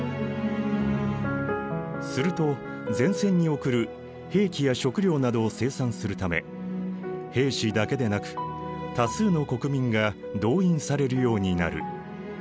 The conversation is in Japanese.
すると前線に送る兵器や食料などを生産するため兵士だけでなく多数の国民が動員されるようになる。